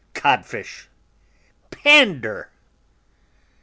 Codfish! Pander!"...